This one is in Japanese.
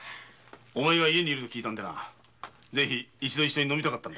お前が家にいると聞いて一度一緒に飲みたかったんだ。